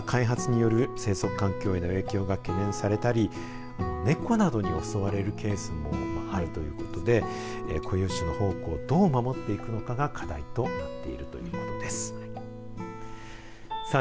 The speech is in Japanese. ただ、開発による生息環境への影響が懸念されたり猫などに襲われるケースもあるということで固有種の宝庫をどう守っていくのかが課題となっているということです。